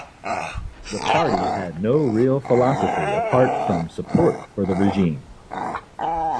The party had no real philosophy apart from support for the regime.